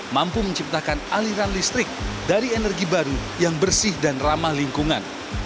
mampu menciptakan aliran listrik dari energi baru yang bersih dan ramah lingkungan